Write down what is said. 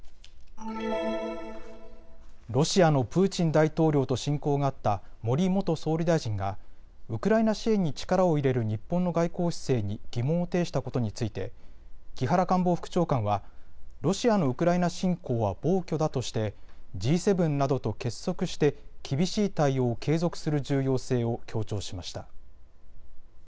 ロシアのプーチン大統領と親交があった森元総理大臣がウクライナ支援に力を入れる日本の外交姿勢に疑問を呈したことについて木原官房副長官はロシアのウクライナ侵攻は暴挙だとしてＧ７などと結束して厳しい対応を継続する重要性を強調しました。